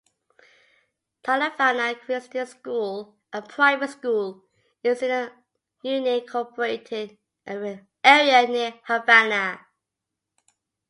Tallavanna Christian School, a private school, is in an unincorporated area near Havana.